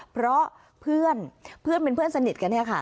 เพราะเพื่อนเพื่อนเป็นเพื่อนสนิทกันเนี่ยค่ะ